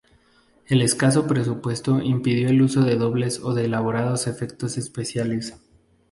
El escaso presupuesto impidió el uso de dobles o de elaborados efectos especiales.